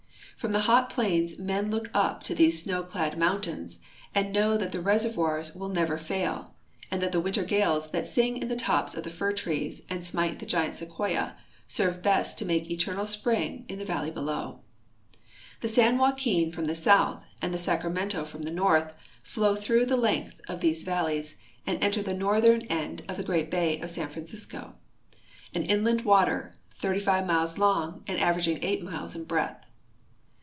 From the hot plains men look u]) to these snow clad mountains and know that the reservoirs will never fail, and that the winter gales that sing in the toj)S of the hr trees and smite the giant sequoia serve best to make eternal spring in the valley helow. The San .Joaquin from the south and the Sacramento from the 326 CALIFORNIA nortli flow through the length of these valleys and enter the northern end of the great hay of San Francisco, an inland water 35 miles long and averaging 8 miles in breadth.